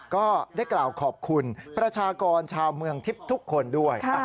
ก็ได้กล่าวขอบคุณประชากรชาวเมืองทิพย์ทุกคนด้วย